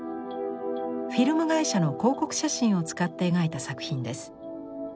フィルム会社の広告写真を使って描いた作品です。